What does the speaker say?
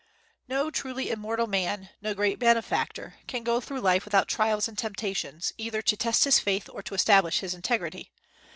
No truly immortal man, no great benefactor, can go through life without trials and temptations, either to test his faith or to establish his integrity.